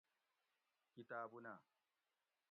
کتابونہ